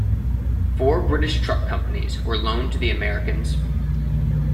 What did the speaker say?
Four British truck companies were loaned to the Americans.